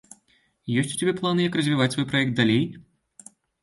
Ёсць у цябе планы, як развіваць свой праект далей?